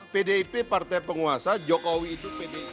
pdip partai penguasa jokowi itu pdip